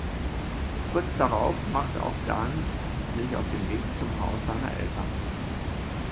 Kurz darauf macht auch Dan sich auf den Weg zum Haus seiner Eltern.